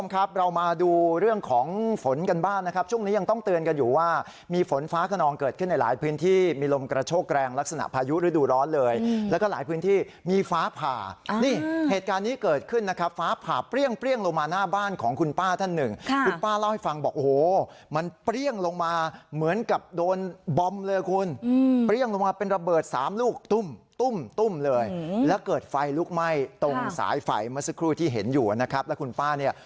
ครับเรามาดูเรื่องของฝนกันบ้านนะครับช่วงนี้ยังต้องเตือนกันอยู่ว่ามีฝนฟ้าขนองเกิดขึ้นในหลายพื้นที่มีลมกระโชกแรงลักษณะพายุฤดูร้อนเลยแล้วก็หลายพื้นที่มีฝาผ่านี่เหตุการณ์นี้เกิดขึ้นนะครับฝาผ่าเปรี้ยงเปรี้ยงลงมาหน้าบ้านของคุณป้าท่านหนึ่งคุณป้าเล่าให้ฟังบอกโอ้โหมันเปรี้ย